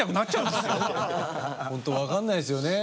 ほんと分かんないですよね。